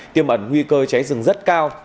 tiêm ẩn nguy cơ cháy rừng rất cao